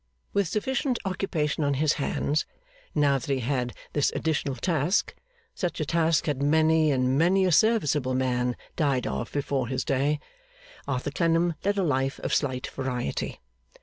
With sufficient occupation on his hands, now that he had this additional task such a task had many and many a serviceable man died of before his day Arthur Clennam led a life of slight variety.